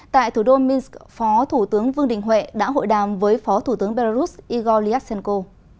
tại thủ đô minsk phó thủ tướng vương đình huệ đã hội đàm với phó thủ tướng belarus igor lyashenko